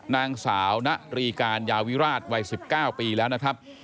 นางสาวนะรีการยาวิราชวัย๑๙ปีแล้วนะครับ